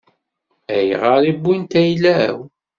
Ayɣer i wwint ayla-w?